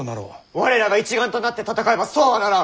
我らが一丸となって戦えばそうはならん！